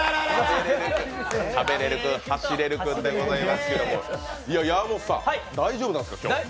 しゃべれる君・はしれる君ですけれども、山本さん大丈夫なんですか、今日。